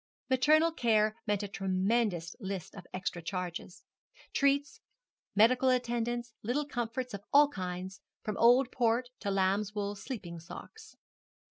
Maternal care meant a tremendous list of extra charges treats, medical attendance, little comforts of all kinds, from old port to lamb's wool sleeping socks.